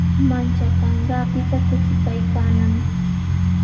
Manchakanqaapita kutikaykaanami.